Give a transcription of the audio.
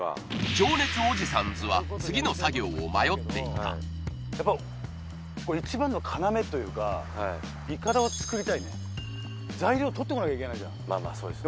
情熱おじさんズは次の作業を迷っていたやっぱこれ一番の要というかはいイカダを作りたいね材料とってこなきゃいけないじゃんまあまあそうですね